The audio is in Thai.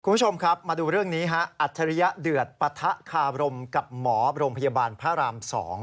คุณผู้ชมครับมาดูเรื่องนี้ฮะอัจฉริยะเดือดปะทะคาบรมกับหมอโรงพยาบาลพระราม๒